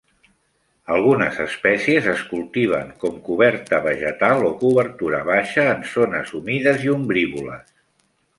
Algunes espècies es cultiven com coberta vegetal o cobertura baixa en zones humides i ombrívoles.